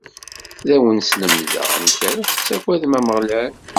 A awen-slemdeɣ amek ara tettagwgdem Ameɣlal.